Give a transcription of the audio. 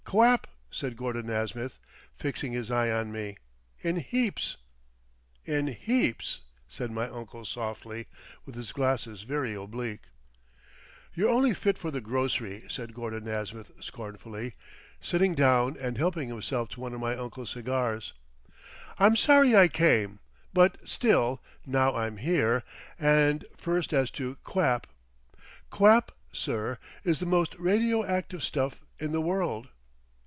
"Quap," said Gordon Nasmyth, fixing his eye on me, "in heaps." "In heaps," said my uncle softly, with his glasses very oblique. "You're only fit for the grocery," said Gordon Nasmyth scornfully, sitting down and helping himself to one of my uncle's cigars. "I'm sorry I came. But, still, now I'm here.... And first as to quap; quap, sir, is the most radio active stuff in the world.